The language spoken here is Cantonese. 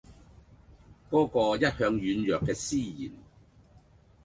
嗰個一向軟弱嘅思賢